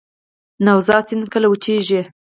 نوزاد سیند کله وچیږي؟